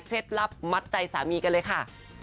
ลับมัดใจสามีกันเลยค่ะ